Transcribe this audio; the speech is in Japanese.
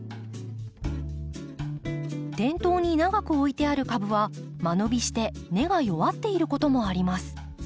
店頭に長く置いてある株は間延びして根が弱っていることもあります。